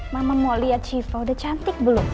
mama mau liat civa udah cantik belum